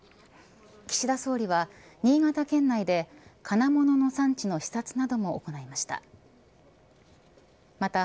岸田総理は新潟県内で金物の産地の視察なども行いました。